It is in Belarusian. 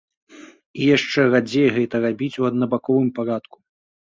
І яшчэ радзей гэта робіць у аднабаковым парадку.